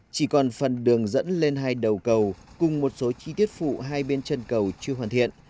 chỉ còn phần đường dẫn lên hai đầu cầu cùng một số chi tiết phụ hai bên chân cầu chưa hoàn thiện